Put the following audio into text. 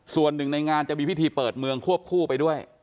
ส่วนหนึ่งในงานจะมีพิธีเปิดเมืองควบคู่ไปด้วย